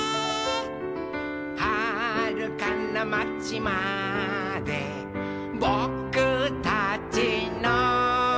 「はるかなまちまでぼくたちの」